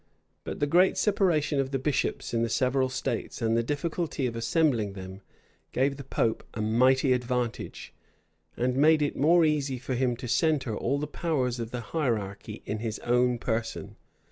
But the great separation of the bishops in the several states, and the difficulty of assembling them, gave the pope a mighty advantage, and made it more easy for him to centre all the powers of the hierarchy in his own person.